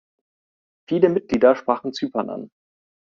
Viele Mitglieder sprachen Zypern an.